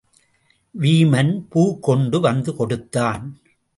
வீமன் பூ கொண்டு வந்து கொடுத்தான்.